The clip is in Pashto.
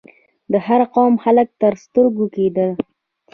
د هر قوم خلک تر سترګو کېدل.